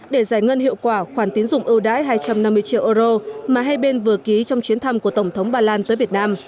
để giải ngân hiệu quả khoản tiến dụng ưu đái hai trăm năm mươi triệu euro mà hai bên vừa ký trong chuyến thăm của tổng thống ba lan tới việt nam